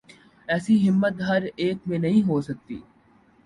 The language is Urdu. ایسی ہمت ہر ایک میں نہیں ہو سکتی۔